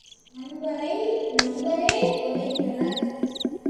நண்பரை நண்பரே வதைத்தனர்.